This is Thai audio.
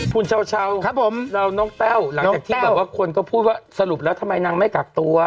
คุณเช้าครับผมเราน้องแต้วหลังจากที่แบบว่าคนก็พูดว่าสรุปแล้วทำไมนางไม่กักตัว